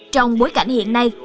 trong bối cảnh hiện nay